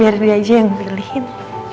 biar dia aja yang pilihin